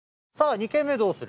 「二軒目どうする？」